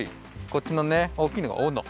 こっちのねおおきいのがおの。